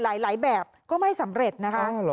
หลายแบบก็ไม่สำเร็จนะคะ